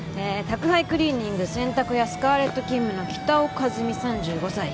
宅配クリーニング洗濯屋スカーレット勤務の北尾一美３５歳。